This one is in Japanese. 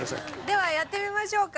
ではやってみましょうか。